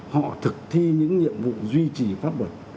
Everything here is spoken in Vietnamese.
họ thực thi những nhiệm vụ duy trì pháp luật